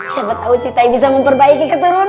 siapa tau si tai bisa memperbaiki keturunan